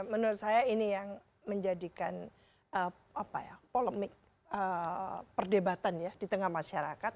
menurut saya ini yang menjadikan polemik perdebatan ya di tengah masyarakat